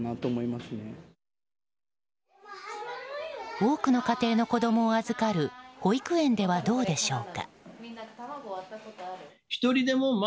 多くの家庭の子供を預かる保育園ではどうでしょうか。